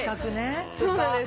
そうなんです。